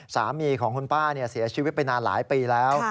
ที่สเค้าสีแล้ว